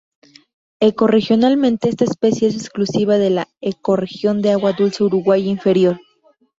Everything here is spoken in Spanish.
Ecorregionalmente esta especie es exclusiva de la ecorregión de agua dulce Uruguay inferior.